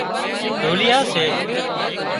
ڍوليئا سي